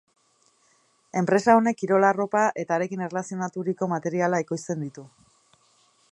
Enpresa honek kirol arropa eta harekin erlazionaturiko materiala ekoizten ditu.